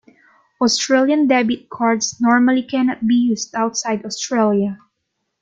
Australian debit cards normally cannot be used outside Australia.